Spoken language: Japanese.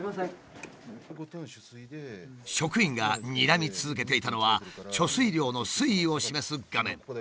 職員がにらみ続けていたのは貯水量の水位を示す画面。